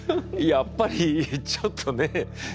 やっぱりちょっとね。